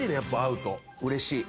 うれしい。